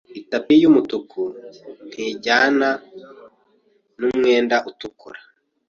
Itapi yumutuku ntizajyana nu mwenda utukura.